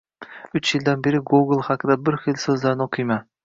Uch yildan beri Gogol haqida bir xil soʻzlarni oʻqiyman.